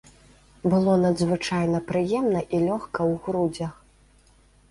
Было надзвычайна прыемна і лёгка ў грудзях.